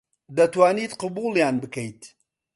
دەتوانیت قبووڵیان بکەیت